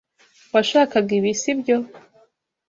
Washakaga ibi, sibyo?